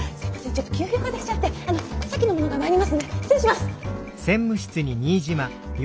ちょっと急用ができちゃってあのさっきの者が参りますので失礼します！